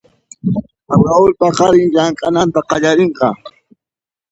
Raul paqarin llamk'ananta qallarinqa.